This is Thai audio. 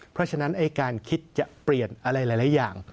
เพราะฉะนั้นการคิดจะเปลี่ยนอะไรหลายอย่าง